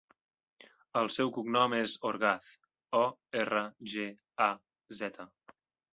El seu cognom és Orgaz: o, erra, ge, a, zeta.